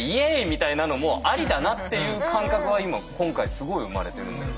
みたいなのもありだなっていう感覚は今今回すごい生まれてるんで。